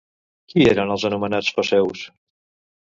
Qui eren els anomenats foceus?